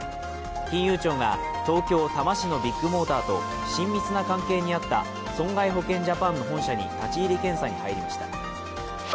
金融庁が東京・多摩市のビッグモーターと親密な関係にあった損害保険ジャパンの本社に立ち入り検査に入りました。